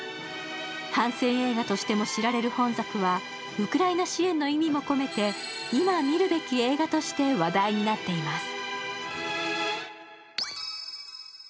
反戦映画としても知られる本作はウクライナ支援の意味も込めて今見るべき映画として話題になっています。